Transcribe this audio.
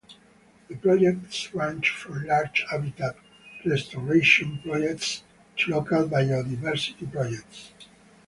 The projects range from large habitat restoration projects to local biodiversity projects.